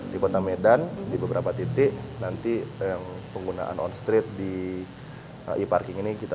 di kota medan di beberapa titik nanti yang penggunaan on street di e parking ini kita